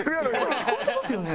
声聞こえてますよね？